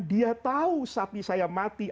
dia tahu sapi saya mati